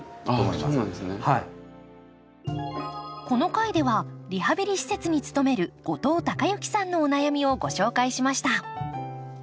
この回ではリハビリ施設に勤める後藤貴之さんのお悩みをご紹介しました